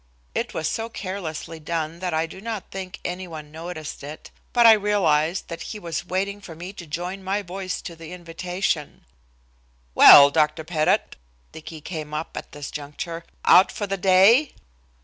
It was so carelessly done that I do not think any one noticed it, but I realized that he was waiting for me to join my voice to the invitation. "Well, Dr. Pettit," Dicky came up at this juncture, "out for the day?"